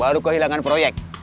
baru kehilangan proyek